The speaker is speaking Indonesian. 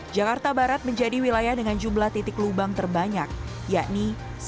jakarta barat menjadi wilayah dengan jumlah titik lubang terbanyak yakni satu lima ratus dua puluh lima